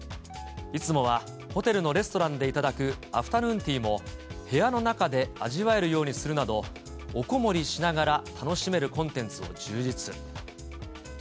いつもはホテルのレストランで頂くアフタヌーンティーも部屋の中で味わえるようにするなど、おこもりしながら楽しめるコンテンツを充実。